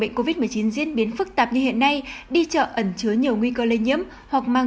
bệnh covid một mươi chín diễn biến phức tạp như hiện nay đi chợ ẩn chứa nhiều nguy cơ lây nhiễm hoặc mang